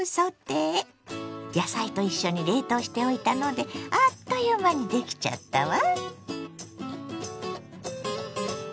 野菜と一緒に冷凍しておいたのであっという間にできちゃったわ。